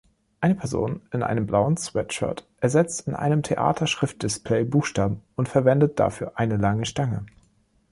Eine Person in einem blauen Sweatshirt ersetzt in einem Theater-Schriftdisplay Buchstaben und verwendet dafür eine lange Stange.